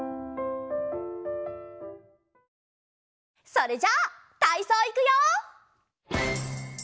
それじゃたいそういくよ！